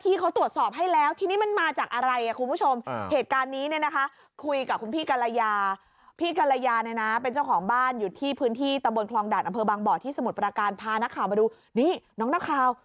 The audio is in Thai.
ท่อแตกหรือเปล่าที่แรกเรามาดูท่อแตกหรือเปล่า